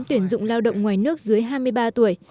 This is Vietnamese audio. tuyển dụng lao động ngoài nước dưới hai mươi ba tuổi